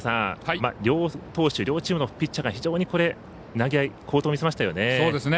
両投手、両チームのピッチングが非常に投げ合い、好投を見せましたよね。